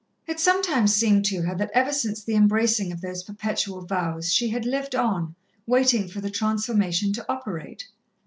It sometimes seemed to her that ever since the embracing of those perpetual vows, she had lived on, waiting for the transformation to operate.